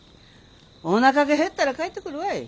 おなかが減ったら帰ってくるわい。